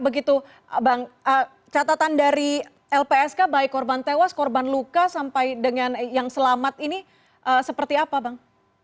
begitu bang catatan dari lpsk baik korban tewas korban luka sampai dengan yang selamat ini seperti apa bang